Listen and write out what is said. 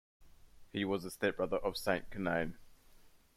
He was a stepbrother of Saint Conainne.